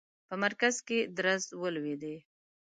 په مرکز کې درز ولوېدی.